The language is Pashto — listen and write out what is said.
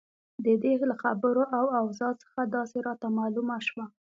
د دې له خبرو او اوضاع څخه داسې راته معلومه شوه.